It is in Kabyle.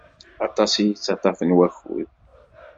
Aṭas i yettaṭaf n wakud.